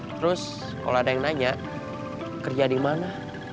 terus kalau ada yang nanya kerja di mana